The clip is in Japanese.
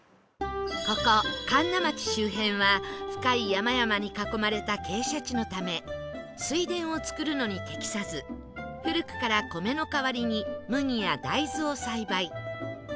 ここ神流町周辺は深い山々に囲まれた傾斜地のため水田を作るのに適さず古くから米の代わりに麦や大豆を栽培